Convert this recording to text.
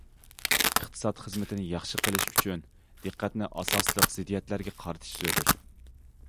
ئىقتىساد خىزمىتىنى ياخشى قىلىش ئۈچۈن، دىققەتنى ئاساسلىق زىددىيەتلەرگە قارىتىش زۆرۈر.